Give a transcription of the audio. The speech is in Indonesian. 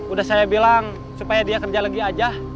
udah saya bilang supaya dia kerja lagi aja